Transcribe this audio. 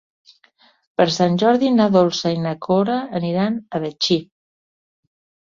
Per Sant Jordi na Dolça i na Cora aniran a Betxí.